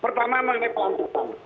pertama mengenai pelantikan